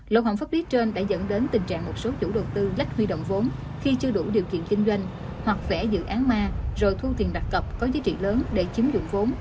lộ hỏng pháp lý trên đã dẫn đến tình trạng một số chủ đầu tư lách huy động vốn khi chưa đủ điều kiện kinh doanh hoặc vẽ dự án ma rồi thu tiền đặt cọc có giá trị lớn để chiếm dụng vốn